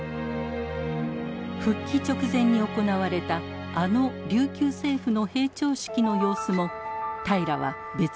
復帰直前に行われたあの琉球政府の閉庁式の様子も平良は別のカメラで撮影していました。